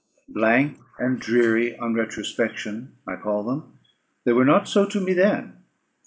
Blank and dreary on retrospection I call them; they were not so to me then.